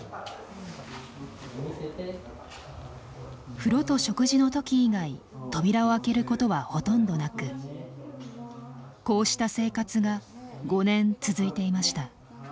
風呂と食事の時以外扉を開けることはほとんどなくこうした生活が５年続いていました。